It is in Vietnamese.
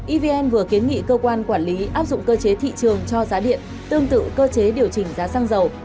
evn vừa kiến nghị cơ quan quản lý áp dụng cơ chế thị trường cho giá điện tương tự cơ chế điều chỉnh giá xăng dầu